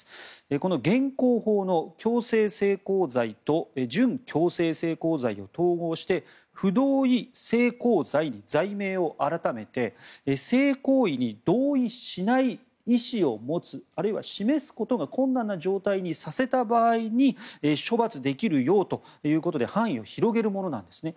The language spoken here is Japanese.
この現行法の強制性交罪と準強制性交罪を統合して不同意性交罪に罪名を改めて性行為に同意しない意思を持つあるいは示すことが困難な状態にさせた場合に処罰できるようということで範囲を広げるものなんですね。